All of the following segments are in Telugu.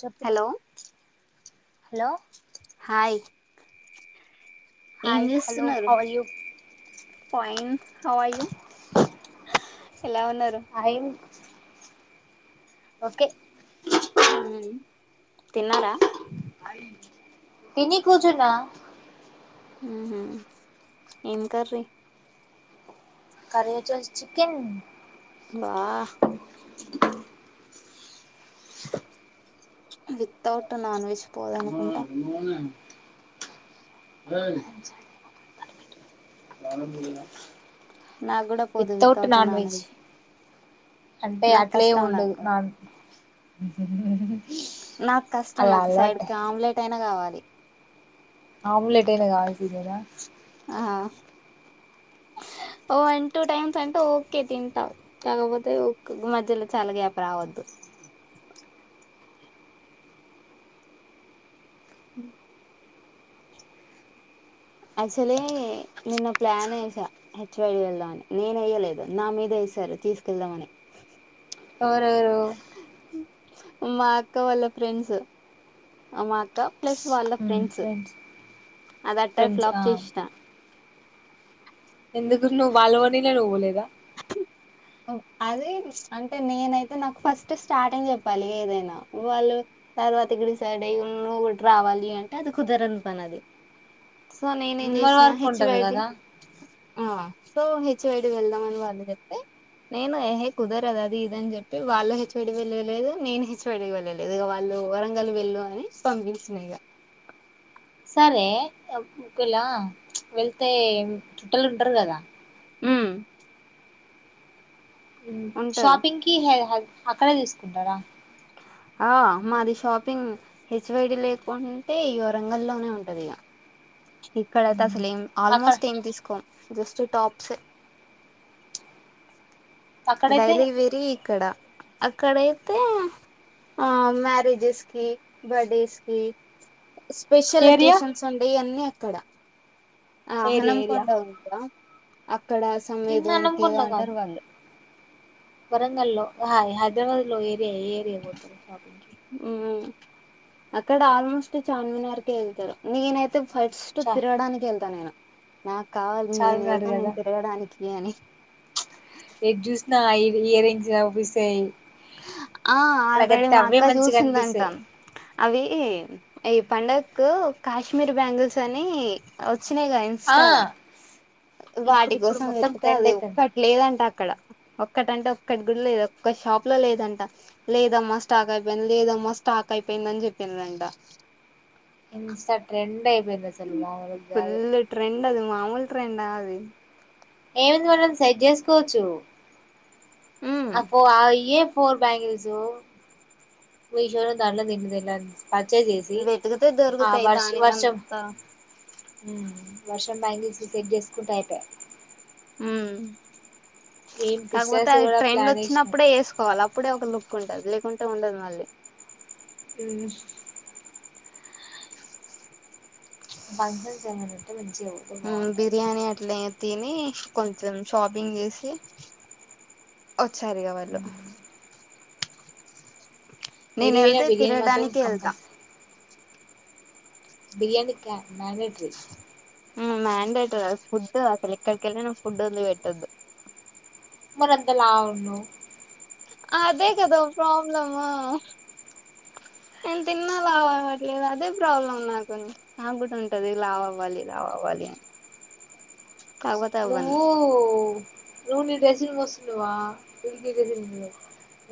చెప్పురా హలో హాయ్ ఏం హాయ్ హలో చేస్తున్నారు how are you fine how are you ఎలా ఉన్నారు ఐ యామ్ ఓకే హు తిన్నారా తిని కూర్చున్న హ హ ఏం కర్రీ కర్రీ వచ్చేసి చికెన్ వా వితౌట్ నాన్ వెజ్ పోద అనుకుంటా [unintelligible] వితౌట్ నాన్ వెజ్ అంటే నాకు అట్లే కష్టం ఉండదు నాకు నాన్ నాకు కష్టం అలా నాకు సైడ్ అలవాటే క ఆమ్లెట్ అయినా కావాలి ఆమ్లెట్ అయిన కావాల్సిందే నా ఆ ఓ వన్ టూ టైమ్స్ అంటే ఓకే తింటాం కాకపోతే ఒక మధ్యలో చాలా గ్యాప్ రావద్దు మ్ యాచ్చోలీ నిన్న ప్లాన్ ఏసా హెచ్వైడి వెళ్దామని నేనయ్యలేదు నా మీద వేసారు తీసుకెళ్దామని ఆ రా రో మా అక్క వాళ్ళ ఫ్రెండ్స్ మా అక్క ప్లస్ వాళ్ళ ఫ్రెండ్స్ అదట్టర్ ఫ్రెండ్స్ ఆ ఫ్లాప్ చేసిస్తా ఎందుకు బాలవనినావలేదా అదే అంటే నేనైతే నాకు ఫస్ట్ స్టార్టింగ్ చెప్పాలి ఏదైనా వాళ్ళు తర్వాత డిసైడ్ అయ్యి ను్ ఒకటి రావాలి అంటే అది కుదరని పని అది సో న నేనం మరి చేసిన వర్క్ హెచ్చ ఉంటది బటి కదా ఆ సో హెచ్వడి వెళ్దామని వాళ్ళు చెప్తే నేను ఏహ కుదరదు అది ఇదని చెప్పి వాళ్ళు హెచ్వడి వెళ్ళలేదు నేను హెచ్వడికి వెళ్ళలేదు ఇక వాళ్ళు వరంగలు వెళ్ళు అని పంపించిన ఇక సరే ఒకేలా వెళ్తే చుట్టలు ఉంటారు కదా మ్ షాపింగ్గ్కి హే హయ్ అక్కడే తీసుకుంటారా ఆ మాది షాపింగ్ హెచ్వైడి లేకుంటే ఈ వరంగ లోనే ఉంటది ఇక ఇక్కడ అసలు ఏం అక్కడ ఆల్మోస్ట్ ఏం తీసుకోం జస్ట్ టాప్ చె అక్కడైతే డైలి వెరీ ఇక్కడ అక్కడైతే మ్యారేజెస్ కి బర్త్డేస్ కి స్పెషల్ ఏరియా ఒకేషన్స్ ఉండే ఇవన్నీ అక్కడ ఆ హానమ్కండ ఉంద నిన్న అన్నం కొండ కాదు అంటారు వాళ్ళు వరంగల్లో హాయ్ ఎ లో ఏ ఏరియా పోతురు షాపింగ్కి మ్మ్ అక్కడ ఆల్మోస్ట్ చాన్మినార్కి వెళ్తారు నేనైత్ అయితే ఫట్స్ట్ చ తిరగడానికి వెళ్తా నేను నాకు కావాలి నేను చార్మినార్ వెళ్తా కదా నేను తిరగడానికి అని ఎటు చూసినా ఐదు ఇయర్రింగ్స్ కనిపిస్తాయి ఆ ఆల్రెడీ నాకైతే మా అవే అక్క మంచిగా చూసింద అంటా అనిపిస్తాయి అవి ఈ పండకు కాశ్మీర్ బ్యాంగిల్స్ అని స్నేగా ఆ ఇన్స్టార ఇప్పుడు వాటి ఇప్పుడు కోసం మొత్తం వెతికితే ట్రెండ్ అది అయితుంది ఒక్కటి లేదంటే అక్కడ ఒక్కట్ ఒక్కటి అంటేఒక్కటి గు లేదు ఒక్క షాప్ లో లేదంట లేదమ్మా స్టాక్ అయిపోయింది లేదమ్మా స్టాక్ అయిపోయింద అని చెప్పినరంట ఇన్స్టా ట్రెండ్ అయిపోయింది అసలు మామూలుగా కాదు ఫుల్ ట్రెండ్ అది మాముూలు ట్రెండా అది ఏముంది మనం సెట్ చేసుకోవచ్చు ఉమ్ అబ్బో ఆయ్యే ఫోర్ బ్యాగిల్స్ మీసో లో దాంట్లో తిరగడానికి పర్చేస్ చేసి వెతికితే ఆ దొరుకుతాయి వర్ష వర్షం దానికంత బస్ బ్యాంగిల్స్ సెట్ చేసుకుంటే ఆ అంత హుమ్ మేము కాకపోతే సిస్టర్స్ అది కూడా ట్రెండ్ ప్లాన్ వేసినాం వచ్చినప్పుడే వేసుకోవాలి అప్పుడే ఒక లుక్ ఉంటది లేకుంటే ఉండదు మళ్ళీ మ్మ్ ఫంక్షన్స్ ఏమైనా ఉంటే మంచిగా పోతే ఉ బాగుంటది బిర్యానీ అట్లే తిని కొంచెం షాపింగ్ చేసి వచ్చారుగా వాళ్ళు మ్మ్ నేను ఎది పోయిన వెళ్తే బిర్యానీ మాత్రం తిరగడానికి వెళ్తా కంపల్సరీ బియానీ క మ్యన్డటరీ మ్యాండేటరీ ఆ ఫుడ్ అస్సల్ ఎక్కడికెళ్లినా నువ్వు ఫుడ్ ఒదిలిపెట్టదు. మరింత లాఉన్నా అదే కదా ప్రాబ్లం నేను తిన్నా లావ అవ్వట్లేదు అదే ప్రాబ్లం నాకు నాకు కూడా ఉంటది లావ అవ్వాలి లావ అవ్వాలి అని కాకపోతే అవ్వను నువ్వు నువ్వు నీ డజన్ మోసుకున్నావా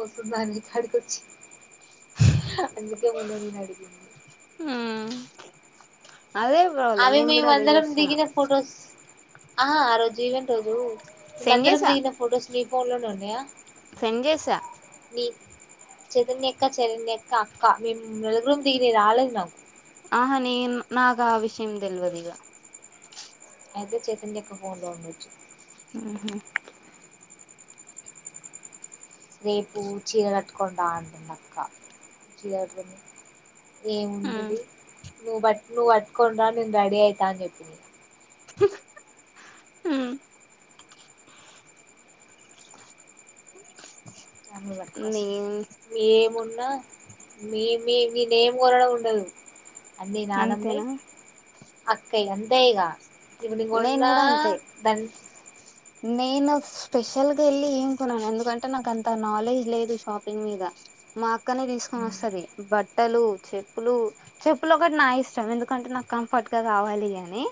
వస్తుందా నీకాడికచ్చి అందుకే ముందు నీనుఅడిగింది మ్మ్ అదే ప్రాబ్లం అవి నేను కూడా అదే మేమందరం చూస్తున్నా దిగిన ఫొటోస్ ఆ ఆ రోజు ఇవెంట్ రోజు సెండ్ మేమందరం చేసా దిగిన ఫొటోస్ నీ ఫోన్ లోనే ఉన్నాయా సెండ్ చేసా మీ చైతన్య అక్క శరణ్య అక్క అక్క మేము నలుగురు దిగినవి రాలేదు నాకు ఆహ న నాకు ఆ విషయంది తేల్వది ఇగ అయితే చైతన్య అక్క ఫోన్ లో ఉండొచ్చు ఉహు రేపు చీర కట్టుకుని డా అంటుంది అక్క చీరా మ్మ్ ఏముంటది నువ్ బట్లు కట్టుకుని రా నేను రెడి అయితా అని చెప్పింది ఉహ్ మ్ మీ అక్క వస్తది ఏ మున్న మేమ్ మీ మీ నేమ్ కోరడం ఉండదు అన్నే నాడమ్మ అంతేనా అక్కయ్ అంతేగా ఇవడి నేను కొన్న కూడా అంతే దన్ నేను స్పెషల్గా వెళ్ళి ఏముకున్నను ఎందుకంటే నాకు అంత నాలెడ్జ్ లేదు షాపింగ్ మీద మాకు క్కనే తీసుకొని వస్తది బట్ బట్టలు చెప్పులు చెప్పులు ఒకటి నా ఇష్టం ఎందుకంటే నాకు కంఫర్ట్ గా కావాలి అని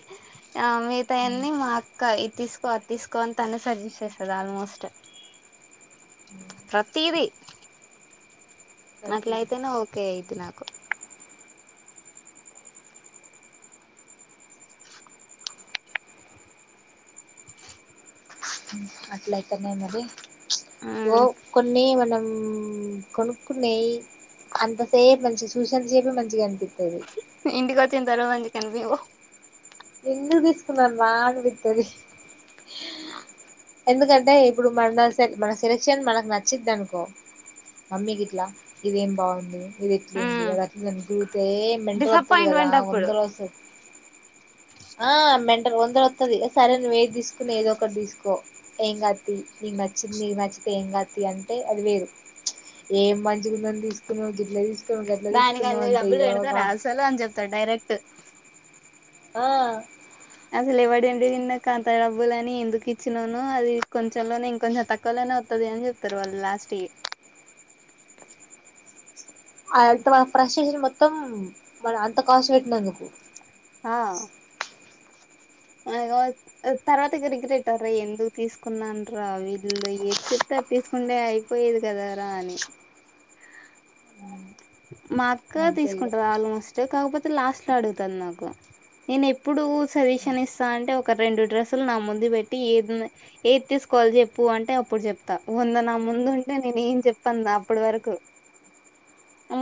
ఆ మిగతాయిన్నీ మా అక్క ఇది తీసుకో అది తీసుకోని తనే సజెస్ట్ చేసది ఆల్మోస్ట్ ప్రతిది దాన్ అట్లయితేనే ఆవకాయ్ తినాకు అట్ల అయితనేే మది ఓ మ్మ్ కొన్ని మనం కొనుక్కునేయి అంతసేపు మంచి సూషన చెేపి మంచిగాంత ఇంటికి వచ్చింది తెలవారింది కేన్ వి వో ఎన్న తీసుకు మమ్ విట్టది ఎందుకంటే ఇప్పుడు మన మన సెలెక్షన్ మనకు నచ్చిది అనుకో మమ్మీకి ఇట్లా ఇదిేం బాగుంది ఇది ఎట్లు ఉంది మ్మ్ అది అట్లాని తిరిగితే మంటలు వస్తుది కదా డిసప్పాయింట్మెంట్ అప్పుడు వందరు వస్తుంది ఆ మెంటర్ వందరు వస్తుది సరేైన వే తీసుకుని ఏదో ఒకటి తీసుకో ఏంగాతిను నీకు నచ్చింది నీకు నచ్చితే ఏం కాతి అంటే అది వేరు ఏం మంచిగా ఉందని తీసుకున్నా దోడ్డలు తీసుకు దానికి అంద డబ్బులు పెడతారా అసలు అని చెప్తాారు డైరెక్ట్ అట్ ఆ అసలు ఎవాడండి నిన్న కాంత డబ్బులుని ఎందుకు ఇచ్చినాను అది కొంచెంలోనే ఇంకంచం తక్కువలోనే వత్తది అని చెప్తారు వాళ్ళు లాస్ట్ ఇయర్ అ అంత మన ఫ్రస్టేషన్ మొత్తం మన అంత కాస్ట్ పెట్టినందుకు ఆ అగ తర్వాతరిగిరెట్ట్రా ఎందుకు తీసుకున్నారా వీదిళో ఏది చెప్తతేారు తీసుకుంటే అయిపోయేది కదార అని మా క అంతే ఇగ తీసుకుంటారుా ఆల్మోస్ట్ కాకపోతే లాస్ట్ లో అడుగుతంది నాకు నేను ఎప్పుడు సజెషన్ ఇస్తా అంటే ఒక రెండు డ్రెస్సులు నా ముందు పెట్టి ఏది ఏది తీసుకోవాలి చెప్పు అంటే అప్పుడు చెప్తా వంద నా ముందు ఉంటే నేను ఏం చెప్పను అప్పటి వరకు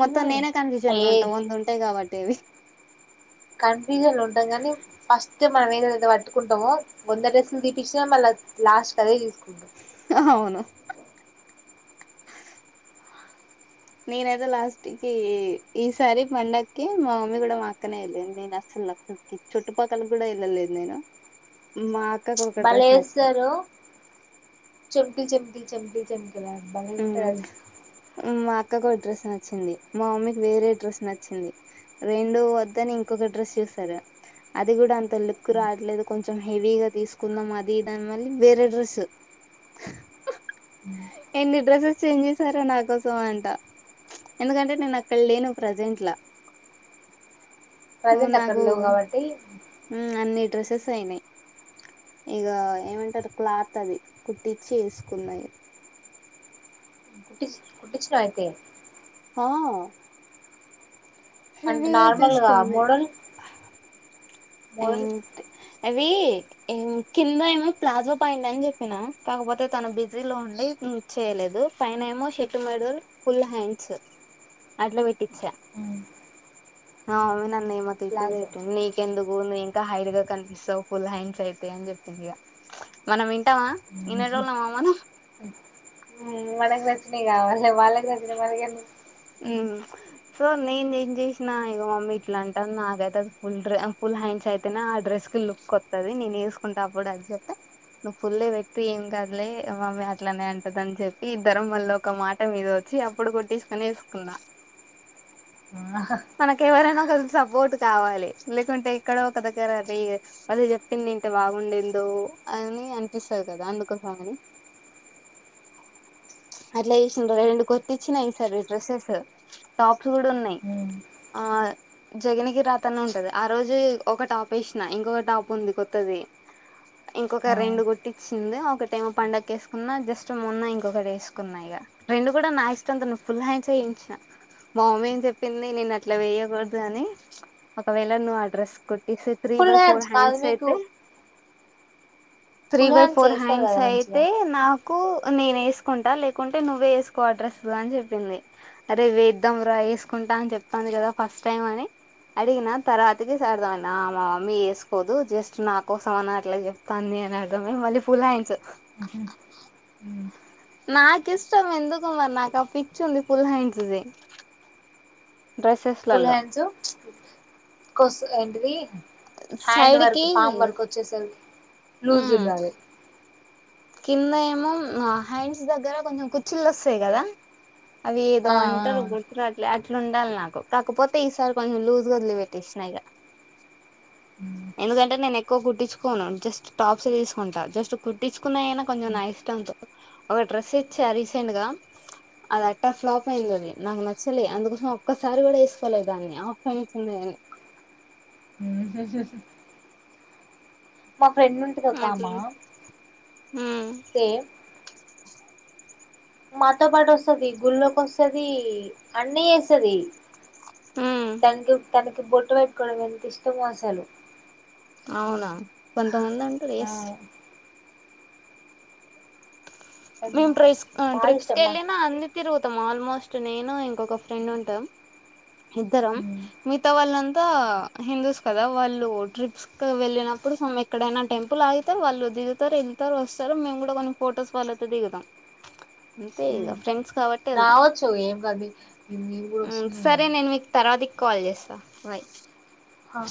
మొత్తం నెనే కన్ఫ్యూజన్ ఏ లో ఉంటా వందు ఉంటాయి కాబటి దేవి కన్ఫ్యూజన్ లో ఉంటాం గానీ ఫస్ మనం ఏదఐతే వట్టుకుంటామో వంద డెస్లు దీపించిన మళ్ళీ లాస్ట్ అదే తీసుకుంటాం ఆ అవును నేనైతే లాస్ట్ కి ఈసారి పండక్కి మా మమ్మీ కూడా మా అక్కనే ఎళ్ళింది. నేను అస్సలుక్కకి చుట్టుపక్కల కూడా వెళ్ళలేదు నేను మా అక్కకు ఒక డ్రెస్ నచ్చింది. బలేస్సరు చెబ్బి చెబ్బి చెబ్బి చెం [unintelligible] అత్తకొక డ్రెస్ నచ్చింది మా మమ్మీకి వేరే డ్రెస్ నచ్చింది రెండు వద్దని ఇంకొక డ్రెస్ చూసారు అది కూడా అంత లిక్కు రావట్లేదు కొంచెం హెవీగా తీసుకుందాం అది ఇది అని మళ్ళీ వేరే డ్రెస్ ఎన్ని డ్రెస్సెస్ చేంజ్ చేసారో నా కోసం అంట ఎందుకంటే నేను అక్కడ లేను ప్రజెంట్లా నువ్వు ప్రజెంట్ అక్కడ నాకు లేవు గావట్టి అన్ని డ్రెస్సెస్ అయినాయి ఇగ ఏమంటారు క్లాత్ అది కుట్టించి వేసుకున్నాయి పుటించనా ఐయితే హా అండ్ నార్మల్గా తీసుకుంది మోడల్ ఫోన్ ఏంటి అవి కింద ఏమో ప్లాజో పాయింట్ అని చెప్పిన కాకపోతే తను బిజీ లో ఉండి ను చేయలేదు పైన ఏమో షట్ మెడల్ ఫుల్ హ్యాండ్స్ అట్లా పెట్టిచ్చా మేము తట్టు ప్లాజో లెట్టు నీక ఎందుకు భూమి ఇంకా హైడ్ గా కనిపిస్తావు ఫుల్ హ్యాండ్స్ అయితే అని చెప్పింది ఇక మనం వింటావా ఇన్నడోళ మనం మనకు ప్రచ్చినయి కావాల వాళ్ళకి రచ్చిన మనకెందుకు. సో నేను ఏం చేసిన ఇగో మమ్మీ ఇట్లా అంటాను నాకైతే అది ఫుల్ డ్ర ఫుల్ హ్యాండ్స్ అయితేనే ఆ డ్రెస్ కి లుక్ వత్తది నేను వేసుకుంటా అప్పుడు అది చెప్పి నువ్వు ఫుల్ పెట్టి ఏం కాదులే మమ్మీ అట్లనే అంటది అని చెప్పి ఇద్దరం మళ్ళ ఒక మాట మీద వచ్చి అప్పుడు కొట్టిేసుకొని వేసు మనక ఎవరైనా ఒక సపోర్ట్ కావాలి లేకుంటే ఎక్కడో ఒక దగ్గర అది అది చెప్పింది ఇంట బాగుండిందో అని అనిపిస్తంది కదా అందుకోసం అని అట్లా చేస రెండు కొర్తి ఇచ్చినా సర్ డ్రెస్సెస్ టాప్స్ కూడా ఉన్నాయ్ ఉమ్ ఆ జగన్నికి రాత అనే ఉంటది ఆ రోజు ఒక టాప్ వేసిన ఇంకొక టాప్ ఉంది కొత్తది ఇంకొక ఆ రెండు కుట్టిచ్చింది ఒక టైం పండగ వేసుకున్నా జస్ట్ మొన్న ఇంకొకటి వేసుకున్నా ఇక రెండు కూడా నా ఇష్టం అంతా ఫుల్ హాండ్స్ చేయించిన మా అమ్మ ఏం చెప్పింది నేను అట్లా వేయకూడదు అని ఒకవేళ నువ్వు అడ్రస్ కొట్టిసిచ్చ త్రీ ఫుల్ బై ఫోర్ కాదు హ్యాండ్స్ మీకు అయితే త్రీ ఫుల్ బై ఫోర్ చేస్తారు హ్యాండ్స్ కదా మంచిగా అయితే నాకు నేను వేసుకుంటా లేకుంటే నువ్వే వేసుకో ఆ అడ్రస్ అని చెప్ప చెప్పింది అరే వేద్దాం రా వేసుకుంటా అని చెప్తాను కదా ఫస్ట్ టైమ్ అని అడిగిన తర్వాతకి అర్థమ మామమ్మీ వేసుకోదు జస్ట్ నా కోసం అని అట్లా చెప్తంది అని అర్థమే మళ్ళీ ఫుల్ హాండ్స్ [inaudible] నాకు ఇష్టం ఎందుకు మరి నాకు ఆ పిచ్చ ఉంది ఫుల్ హ్యాండ్స్ ది ఫుల్ డ్రెస్సెస్లలో హ్యాండ్స్ కొస ఏంటవి హ్యాండ్ సైడ్ వర్క్ కి పామ్ వర్క్ వచ్చేసారు లూజ్ ఉండాలి కింద ఏమో హ్యాండ్స్ దగ్గర కొంచెం కుర్చీలు వస్తాయి కదా అవి ఏదో ఆ ఆ అంటారు గుర్తురట్లే అ ఇ ఉండాలి నాకు కాకపోతే ఈసారి కొంచెం లూజ్గా వదిలి పెెట్టిసినా ఈగా ఎందుకంటే నేను ఎక్కువ కుట్టించుకోను జస్ట్ టాప్స్ తీసుకుంటా జస్ట్ గుట్టించు కున్నా అయినా కొంచెం నా ఇష్టంతో ఒక డ్రెస్ ఇచ్చా రీసెంట్ గా అది అట్టా ఫ్లాప్ అయిందిది నాకు నచ్చలే అందుకోసం ఒక్కసారి కూడా వేసుకోలేదు దాన్ని ఆప్షన్స్ ఉన్నాని ఉహుహు మా ఫ్రెండ్ ఉంటి కకామా అట్లా ఉమ్ సే మాతో పాటు వస్తుంది గుళ్ళకి వస్తుంది అన్నీ వేస్తుంది ఉమ్ తండు తనకి బొటు పెట్టుకోవడం ఎంత ఇష్టమో అసలు అవునా కొంతమంది అంటారు ఆ ఎస్ తనకి ని బాగా ట్రిస్ బాగా ట్రిప్స్ ఇష్టం మా కళ్లినా అందిరు మత్తం ఆల్మోస్ట్ నేను ఇంకొక ఫ్రెండ్ ఉంటా ఇద్దరం ఉమ్ మిగతా వాళ్ళంతా హిందూస్ కదా వాళ్ళు ట్రిప్స్ క వెళ్ళినప్పుడు సమ్ ఎక్కడైనా టెంపుల్ ఆగితారు వాళ్ళు దిగుతారు వెళ్తారు వస్తారు మేము కూడా కొన్ని ఫొటోస్ వాళ్ళ ది కదా అంటే ఇ ఫ్రెండ్స్ కాబట్టి వెళ్తాం దవచ్చో ఏం కాదు మేము కూడా ఉమ్, వస్తున్నాం సరే కదా. నేను మీకు తర్వాతికి కాల్ చేస్తా బై్ అఓ